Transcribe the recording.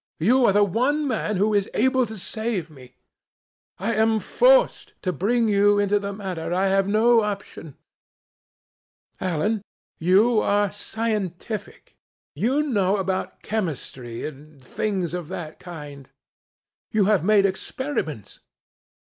You are the one man who is able to save me. I am forced to bring you into the matter. I have no option. Alan, you are scientific. You know about chemistry and things of that kind. You have made experiments.